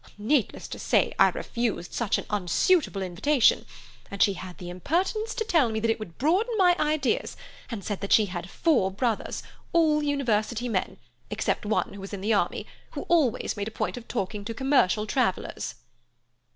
Needless to say, I refused such an unsuitable invitation, and she had the impertinence to tell me that it would broaden my ideas, and said that she had four brothers, all University men, except one who was in the army, who always made a point of talking to commercial travellers."